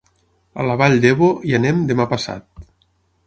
A la Vall d'Ebo hi anem demà passat.